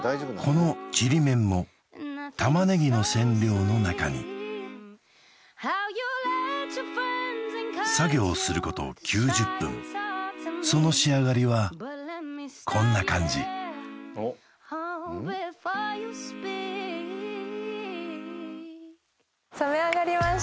このちりめんも玉ねぎの染料のなかに作業すること９０分その仕上がりはこんな感じ染め上がりまし